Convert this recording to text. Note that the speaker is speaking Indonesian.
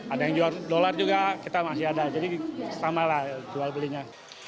ada yang jual dolar juga kita masih ada jadi sama lah jual belinya